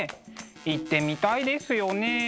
行ってみたいですよね。